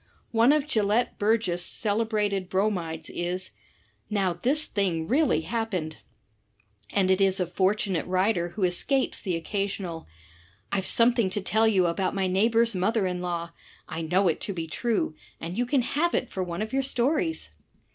One of Gelett Burgess* celebrated Bromides is, "Now this jk' I thing really happened!" And it is a fortunate writer who escapes the occasional, "IVe something to tell you about my neighbor's mother in law; I know it to be true, and you can have it for one of your stories!"